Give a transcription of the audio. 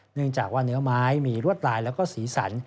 เนื่องจากว่าเนื้อไม้มีรวดลายแล้วก็สีสัน